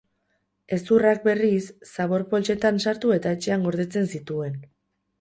Hezurrak, berriz, zabor-poltsetan sartu eta etxean gordetzen zituen.